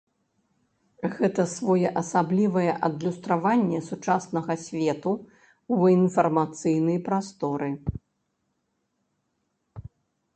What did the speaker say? Гэта своеасаблівае адлюстраванне сучаснага свету ў інфармацыйнай прасторы.